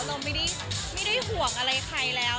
เราไม่ได้ห่วงอะไรใครแล้ว